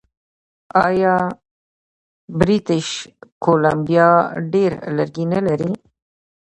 آیا بریټیش کولمبیا ډیر لرګي نلري؟